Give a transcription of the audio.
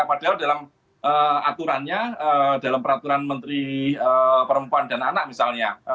padahal dalam aturannya dalam peraturan menteri perempuan dan anak misalnya